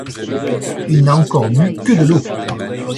Il n’a encore bu que de l’eau.